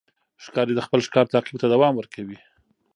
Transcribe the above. ښکاري د خپل ښکار تعقیب ته دوام ورکوي.